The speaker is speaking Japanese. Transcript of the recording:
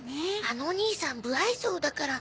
あのお兄さん無愛想だから。